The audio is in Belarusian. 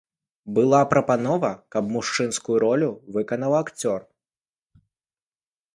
Была прапанова, каб мужчынскую ролю выканаў акцёр.